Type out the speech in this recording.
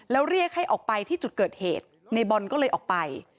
แล้วเรียกให้ออกไปที่จุดเกิดเหตุในบอลก็เลยออกไป